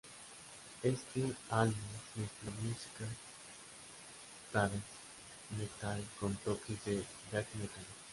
Este álbum mezcla música thrash metal con toques de death metal.